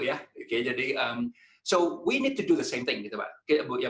jadi kita harus melakukan hal yang sama gitu pak